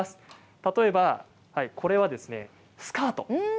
例えば、これはスカート。